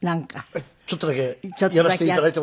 ちょっとだけやらせて頂いても。